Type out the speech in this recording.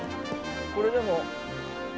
これでも。